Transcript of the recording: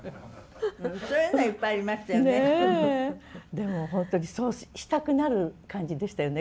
でも本当にそうしたくなる感じでしたよね